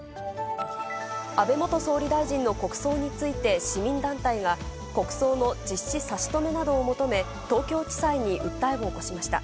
安倍元総理大臣の国葬について、市民団体が国葬の実施差し止めなどを求め、東京地裁に訴えを起こしました。